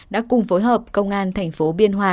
đã cùng phối hợp công an thành phố biên hòa